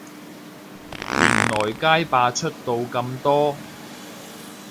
原來街霸出到咁多